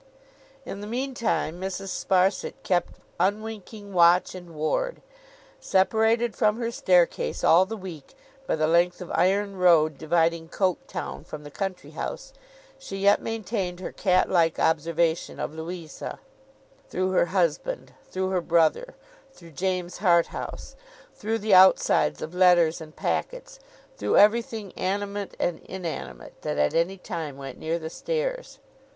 In the meantime, Mrs. Sparsit kept unwinking watch and ward. Separated from her staircase, all the week, by the length of iron road dividing Coketown from the country house, she yet maintained her cat like observation of Louisa, through her husband, through her brother, through James Harthouse, through the outsides of letters and packets, through everything animate and inanimate that at any time went near the stairs.